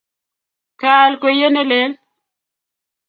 kaal kweyie ne lel.